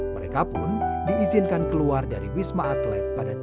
mereka pun diizinkan keluar dari wisma atlet pada dua ribu dua puluh